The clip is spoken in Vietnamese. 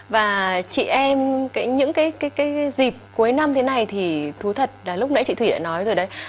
và chị em những cái dịp cuối năm thế này thì thú thật là lúc nãy chị thủy đã nói rồi đấy